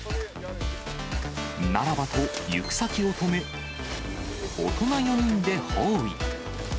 ならばと、行く先を止め、大人４人で包囲。